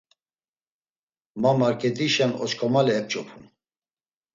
Ma market̆işen oç̌ǩomale ep̌ç̌opum.